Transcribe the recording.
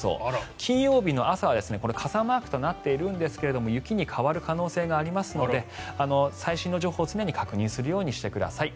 金曜日の朝は傘マークとなっているんですが雪に変わる可能性がありますので最新の情報を常に確認するようにしてください。